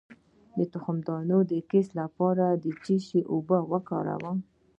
د تخمدان د کیست لپاره د څه شي اوبه وکاروم؟